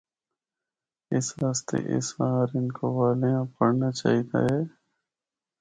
اس آسطے اس آں ہر ہندکو والے آں پڑھنا چاہی دا اے۔